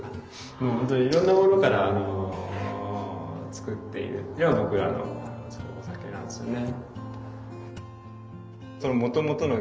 もう本当にいろんなものからつくっているっていうのが僕らのつくるお酒なんですよね。